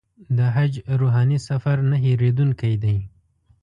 د حج روحاني سفر نه هېرېدونکی دی.